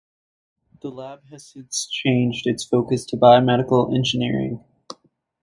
The lab has since changed its focus to Biomedical Engineering.